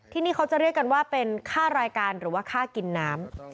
ที่นี่เขาจะเรียกกันว่าเป็นค่ารายการหรือว่าค่ากินน้ำ